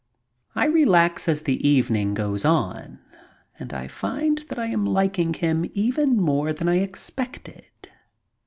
I relax as the evening goes on and I find that I am liking him even more than I expected.